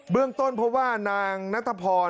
เรื่องต้นเพราะว่านางนัทพร